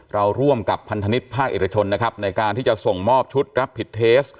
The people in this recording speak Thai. ร่วมกับพันธนิษฐ์ภาคเอกชนนะครับในการที่จะส่งมอบชุดรับผิดเทส